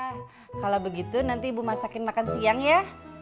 nah kalau begitu nanti ibu masakin makan siang ya